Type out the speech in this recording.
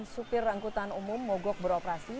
supir angkutan umum mogok beroperasi